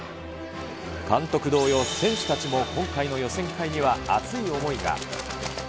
監督同様、選手たちも今回の予選会には熱い思いが。